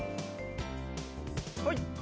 はい。